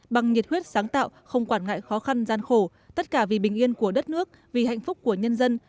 bằng nhiệt huyết sáng tạo không quản ngại khó khăn gian khổ tất cả vì bình yên của đất nước vì hạnh phúc của nhân dân